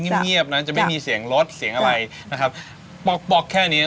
เงียบนะจะไม่มีเสียงรถเสียงอะไรนะครับป๊อกป๊อกแค่นี้